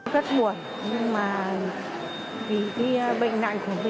rất buồn nhưng mà vì cái bệnh nặng của mình